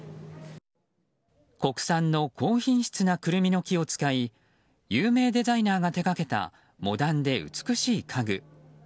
国産の高品質なクルミの木を使い有名デザイナーが手掛けたモダンで美しい家具。